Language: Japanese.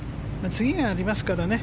次がありますからね。